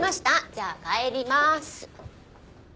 じゃあ帰りまーす。